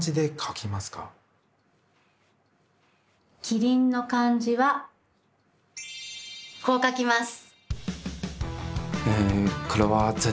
「キリン」の漢字はこう書きます。